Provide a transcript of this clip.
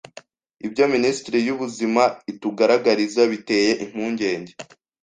ibyo Minisiteri y’Ubuzima itugaragariza biteye impungenge.